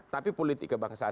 tapi politik kebangsaan